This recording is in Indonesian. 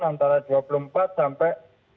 antara dua puluh empat sampai dua puluh delapan